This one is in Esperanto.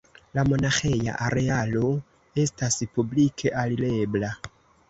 La monaĥeja arealo estas publike alirebla.